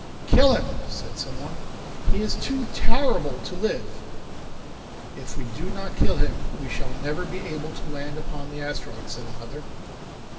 "Kill him," said someone. "He is too horrible to live." "If we do not kill him we shall never be able to land upon the asteroid," said another.